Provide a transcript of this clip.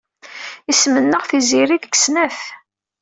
Isem-nneɣ Tiziri deg snat.